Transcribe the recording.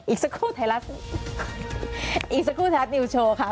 อีกสักครู่ไทยรัฐอีกสักครู่ไทยรัฐนิวโชว์ค่ะ